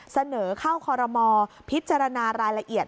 เสนอเข้าคอรมอพิจารณารายละเอียด